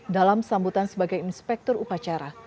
dalam sambutan sebagai inspektur upacara